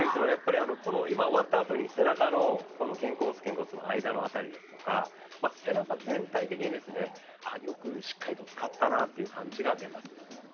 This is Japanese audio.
この今終わったあとに背中の肩甲骨と肩甲骨の間の辺りですとか背中全体的にですねよくしっかりと使ったなという感じが出ます。